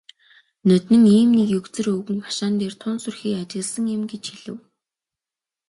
"Ноднин ийм нэг егзөр өвгөн хашаан дээр тун сүрхий ажилласан юм" гэж хэлэв.